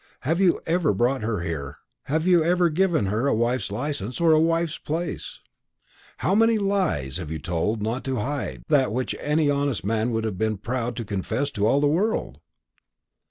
Have you ever brought her here? Have you ever given her a wife's license, or a wife's place? How many lies have you not told to hide that which any honest man would have been proud to confess to all the world?"